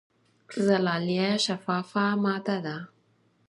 زلالیه شفافه ماده ده.